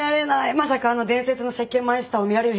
まさかあの伝説の石鹸マイスターを見られる日が来るとは。